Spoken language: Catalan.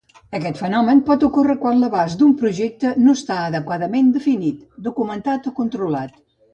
Aquest fenomen pot ocórrer quan l'abast d'un projecte no està adequadament definit, documentat o controlat.